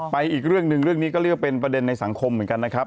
อีกเรื่องหนึ่งเรื่องนี้ก็เรียกว่าเป็นประเด็นในสังคมเหมือนกันนะครับ